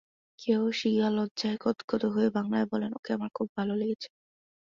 কেই সিগা লজ্জায় গদগদ হয়ে বাংলায় বললেন, ওকে আমার খুব ভালো লেগেছে।